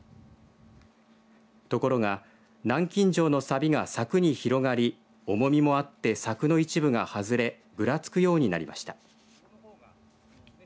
ところが南京錠のさびが柵に広がり重みもあって柵の一部が外れぐらつくようになりました。